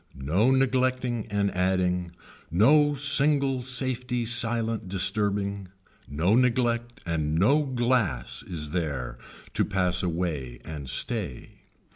No neglecting and adding, no single safety silent disturbing, no neglect and no glass is there to pass away and stay.